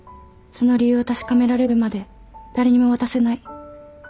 その理由を確かめられるまで誰にも渡せない。